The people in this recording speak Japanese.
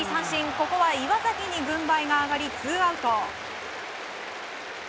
ここは岩崎に軍配が上がりツーアウト。